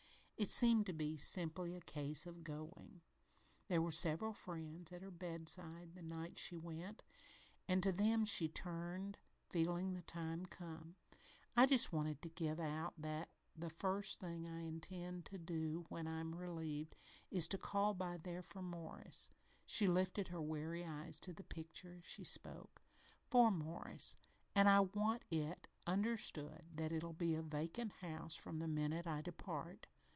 It seemed to be simply a case of going. There were several friends at her bedside the night she went, and to them she turned, feeling the time come: "I just wanted to give out that the first thing I intend to do when I'm relieved is to call by there for Morris" she lifted her weary eyes to the picture as she spoke "for Morris and I want it understood that it'll be a vacant house from the minute I depart.